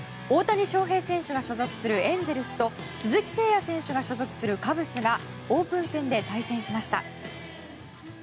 大谷翔平選手が所属するエンゼルスと鈴木誠也選手が所属するカブスがオープン戦で対戦しました。